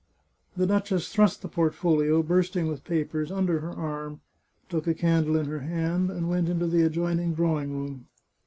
The duchess thrust the portfolio, bursting with papers, under her arm, took a candle in her hand, and went into the adjoining drawing room.